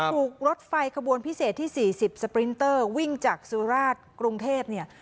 ถูกรถไฟขบวนพิเศษที่๔๐สปรินเตอร์วิ่งจากสุราชกรุงเทพเนี่ย